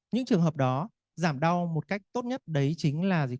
những trường hợp đó giảm đau một cách tốt nhất đấy chính là dịch